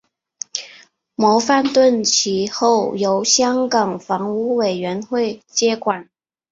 模范邨其后由香港房屋委员会接管。